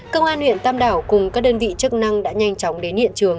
công an huyện tam đảo cùng các đơn vị chức năng đã nhanh chóng đến hiện trường